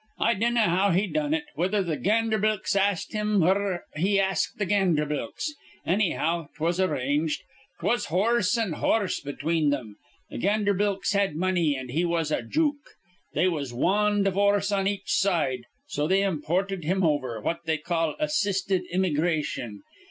I dinnaw how he done it, whether th' Ganderbilks asked him 'r he asked th' Ganderbilks. Annyhow, 'twas arranged. 'Twas horse an' horse between thim. Th' Ganderbilks had money, an' he was a jook. They was wan divorce on each side. So they imported him over, what they call assisted immygration.